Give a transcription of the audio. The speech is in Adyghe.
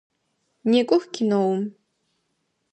Некӏох киноум!